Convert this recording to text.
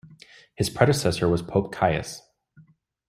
His predecessor was Pope Caius.